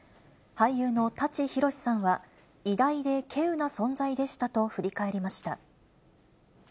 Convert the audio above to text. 俳優の舘ひろしさんは、偉大でけうな存在でしたと振り返りました。